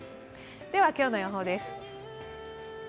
では今日の予報です。